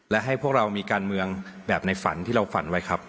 และให้พวกเรามีการเมืองแบบในฝันที่เราฝันไว้ครับ